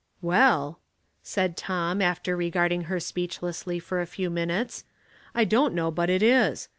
"Well," said Tom, after regarding her speechlessly for a few minutes, " I don't know but it is.